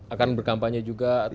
akan berkampanye juga atau